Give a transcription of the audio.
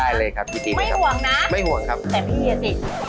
ได้เลยครับยินดีครับไม่ห่วงนะแต่พี่นะสิ